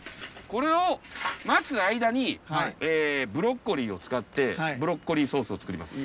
これを待つ間にブロッコリーを使ってブロッコリーソースを作ります。